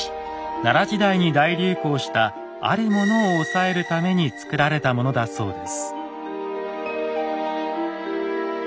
奈良時代に大流行したあるものを抑えるために作られたものだそうです。